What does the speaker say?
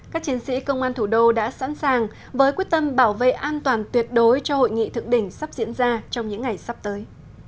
các chiến sĩ công an thủ đô đã sẵn sàng với quyết tâm bảo vệ an toàn tuyệt đối cho hội nghị thượng đỉnh sắp diễn ra trong những ngày sắp tới